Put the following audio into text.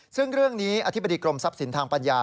ซึ่งเรื่องนี้อธิบดีกรมทรัพย์สินทางปัญญา